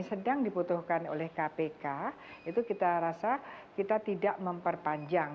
yang sedang dibutuhkan oleh kpk itu kita rasa kita tidak memperpanjang